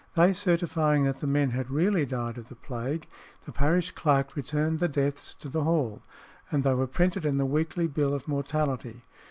They certifying that the men had really died of the plague, the parish clerk returned the deaths to "the Hall," and they were printed in the weekly bill of mortality.